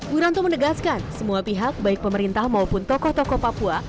wiranto menegaskan semua pihak baik pemerintah maupun tokoh tokoh papua